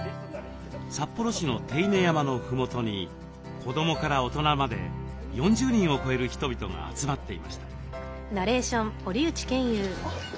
札幌市の手稲山のふもとに子どもから大人まで４０人を超える人々が集まっていました。